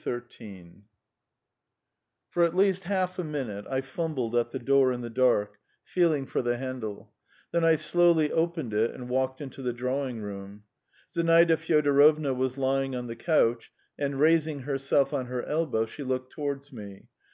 XIII[edit] For at least half a minute I fumbled at the door in the dark, feeling for the handle; then I slowly opened it and walked into the drawing room. Zinaida Fyodorovna was lying on the couch, and raising herself on her elbow, she looked towards me.